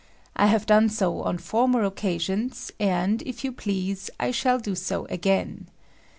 I have done so on former occasions, and, if you please, I shall do so again.